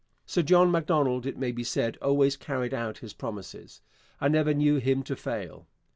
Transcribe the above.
Sir John Macdonald, it may be said, always carried out his promises. I never knew him to fail.